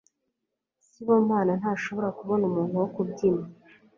Sibomana ntashobora kubona umuntu wo kubyinana.